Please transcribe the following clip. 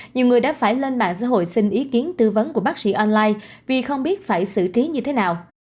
nhiều người đã phải lên mạng xã hội xin ý kiến tư vấn của bác sĩ online vì không biết phải xử trí như thế nào